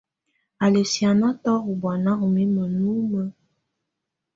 Á lɛ́ sìánatɔ́ ú bùána ú mimǝ́ númǝ́.